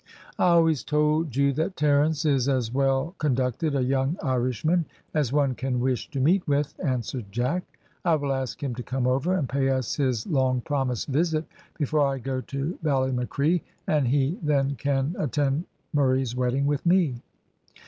"I always told you that Terence is as well conducted a young Irishman as one can wish to meet with," answered Jack. "I will ask him to come over and pay us his long promised visit before I go to Ballymacree, and he then can attend Murray's wedding with me."